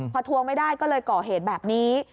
พอทวงไม่ได้ก็เลยก่อเหตุแบบนี้